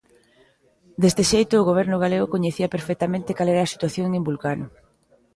Deste xeito, o Goberno galego coñecía perfectamente cal era a situación en Vulcano.